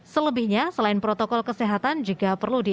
selebihnya selain protokol kesehatan juga perlu diperhati